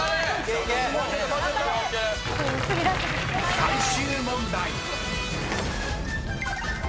［最終問題］